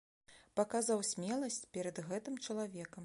Паказаў смеласць перад гэтым чалавекам.